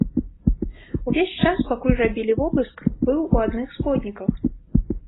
Увесь час, пакуль рабілі вобыск, быў у адных сподніках.